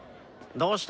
どうした？